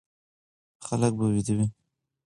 خلک به ويده وي،